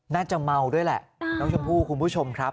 น่าจะเมาด้วยแหละน้องชมพู่คุณผู้ชมครับ